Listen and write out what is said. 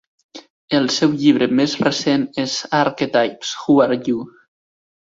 El seu llibre més recent és "Archetypes: Who Are You?"